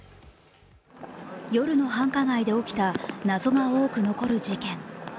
夜の繁華街で起きた謎が多く残る事件。